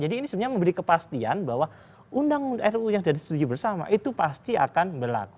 jadi ini sebenarnya memberi kepastian bahwa undang ru yang sudah setuju bersama itu pasti akan berlaku